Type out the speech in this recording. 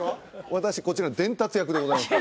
私こちらの伝達役でございます